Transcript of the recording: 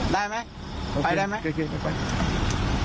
ได้ไหมไปได้ไหม